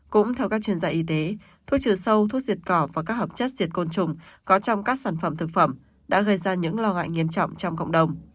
cũng theo các chuyên gia y tế thuốc trừ sâu thuốc diệt cỏ và các hợp chất diệt côn trùng có trong các sản phẩm thực phẩm đã gây ra những lo ngại nghiêm trọng trong cộng đồng